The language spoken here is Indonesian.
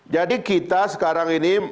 jadi kita sekarang ini